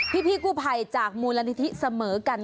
พี่กู้ภัยจากมูลนิธิเสมอกัน